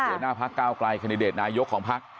เจอหน้าพักก้าวกลายคันดิเดตนายกของพัก